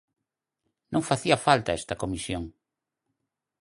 Non facía falta esta comisión.